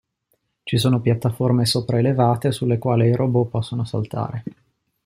Ci sono piattaforme sopraelevate sulle quali i robot possono saltare.